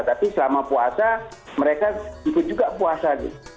tapi selama puasa mereka ikut juga puasa